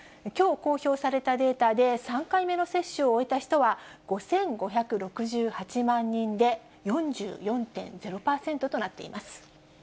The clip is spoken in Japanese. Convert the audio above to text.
きょう公表されたデータで３回目の接種を終えた人は、５５６８万人で、４４．０％となっています。